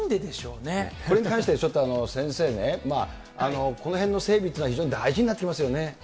これに関してはちょっと先生ね、このへんの整備というのは非常に大事になってきますよね。